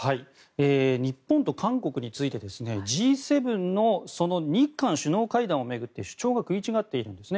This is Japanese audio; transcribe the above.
日本と韓国についてＧ７の日韓首脳会談を巡って主張が食い違っているんですね。